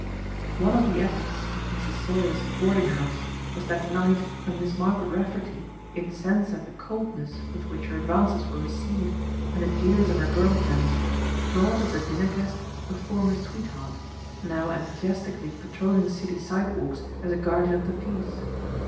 One of the epics of Mrs. Sauer's boarding house was that night when Miss Margaret Rafferty, incensed at the coldness with which her advances were received and the jeers of her girl friends, brought as a dinner guest a former sweetheart, now enthusiastically patrolling city sidewalks as a guardian of the peace.